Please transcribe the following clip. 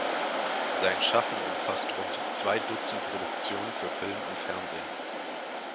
Sein Schaffen umfasst rund zwei Dutzend Produktionen für Film und Fernsehen.